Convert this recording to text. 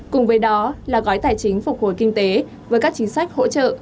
cùng với đó là gói tài chính phục hồi kinh tế với các chính sách hỗ trợ